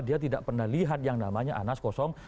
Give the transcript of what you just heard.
dia tidak pernah lihat yang namanya anas kosong